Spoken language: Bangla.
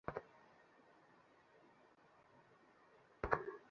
তিনি খন্দকের যুদ্ধ এবং পরবর্তী বনু কুরাইজা অভিযানে অংশ নিয়েছেন।